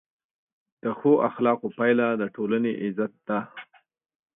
د ښو اخلاقو پایله د ټولنې عزت ده.